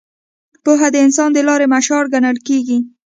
پوهه د انسان د لارې مشال ګڼل کېږي.